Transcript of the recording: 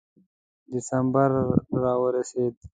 ډسمبر را ورسېد.